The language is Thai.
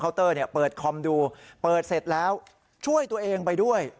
เตอร์เปิดคอมดูเปิดเสร็จแล้วช่วยตัวเองไปด้วย